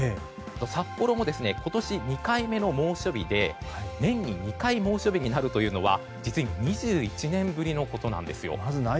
札幌も今年２回目の猛暑日で年に２回猛暑日になるというのは実に２１年ぶりのことなんです。